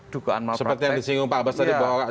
dugaan seperti yang disinggung pak abbas tadi bahwa